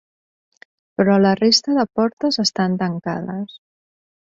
Però la resta de portes estan tancades.